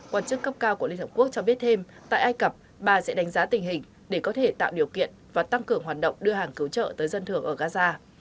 quản chức cấp cao của liên hợp quốc cho biết thêm tại ai cập bà sẽ đánh giá tình hình để có thể tạo điều kiện và tăng cường hoạt động đưa hàng cứu trợ tới dân thường ở gaza